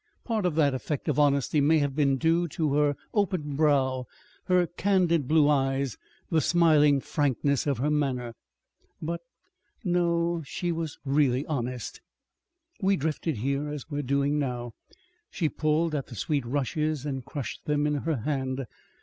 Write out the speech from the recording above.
Part of that effect of honesty may have been due to her open brow, her candid blue eyes, the smiling frankness of her manner.... But no! She was really honest. "We drifted here as we are doing now. She pulled at the sweet rushes and crushed them in her hand.